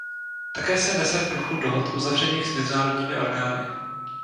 Také se nese v duchu dohod uzavřených s mezinárodními orgány.